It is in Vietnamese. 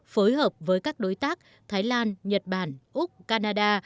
phối hợp với các đối tác thái lan nhật bản úc canada